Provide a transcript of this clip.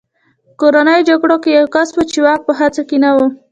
په کورنیو جګړو کې یو کس و چې واک په هڅه کې نه و